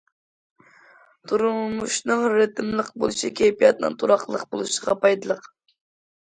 تۇرمۇشنىڭ رىتىملىق بولۇشى كەيپىياتنىڭ تۇراقلىق بولۇشىغا پايدىلىق.